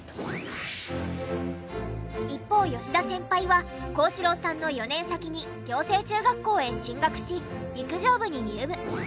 一方吉田先輩は幸四郎さんの４年先に暁星中学校へ進学し陸上部に入部。